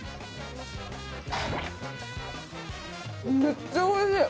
めっちゃおいしい！